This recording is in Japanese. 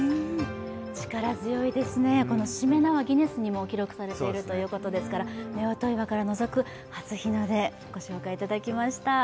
力強いですね、このしめ縄はギネスにも登録されているということですから夫婦岩からのぞく初日の出ご紹介いただきました。